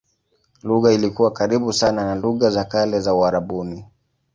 Lugha ilikuwa karibu sana na lugha za kale za Uarabuni.